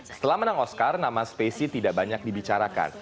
setelah menang oscar nama spacey tidak banyak dibicarakan